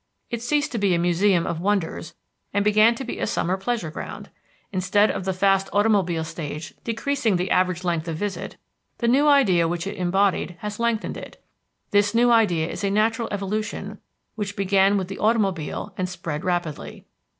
It ceased to be a museum of wonders and began to be a summer pleasure ground. Instead of the fast automobile stage decreasing the average length of visit, the new idea which it embodied has lengthened it. This new idea is a natural evolution which began with the automobile and spread rapidly.